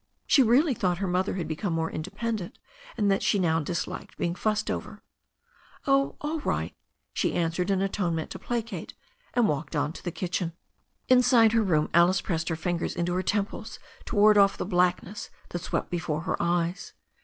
She really thought her mother was becoming more independent, and that she now disliked being fussed over. "Oh, all right," she answered, in a tone meant to placate, and walked on to the kitchen. Inside her room Alice pressed her fingers into her temples to ward off the blackness that swept before her eyes.